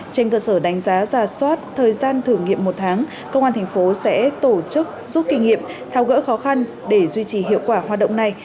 trên cơ sở đánh giá giả soát thời gian thử nghiệm một tháng công an thành phố sẽ tổ chức rút kinh nghiệm thao gỡ khó khăn để duy trì hiệu quả hoạt động này